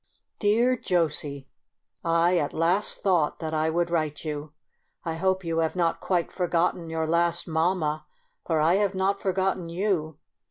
Dear Josey, — I at last thought that I would write you. I hope you have not quite forgot ten your last mamma, for I have not for gotten vou.